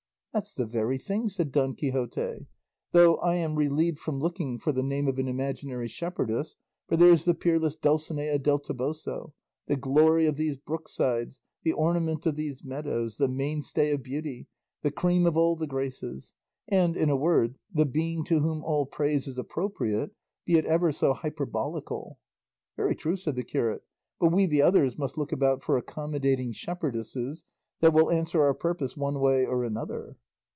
"That's the very thing," said Don Quixote; "though I am relieved from looking for the name of an imaginary shepherdess, for there's the peerless Dulcinea del Toboso, the glory of these brooksides, the ornament of these meadows, the mainstay of beauty, the cream of all the graces, and, in a word, the being to whom all praise is appropriate, be it ever so hyperbolical." "Very true," said the curate; "but we the others must look about for accommodating shepherdesses that will answer our purpose one way or another."